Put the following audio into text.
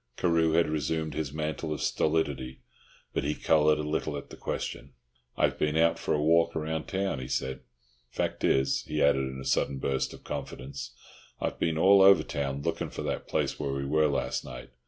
Carew had resumed his mantle of stolidity, but he coloured a little at the question. "I've been out for a bit of a walk round town," he said. "Fact is," he added in a sudden burst of confidence, "I've been all over town lookin' for that place where we were last night.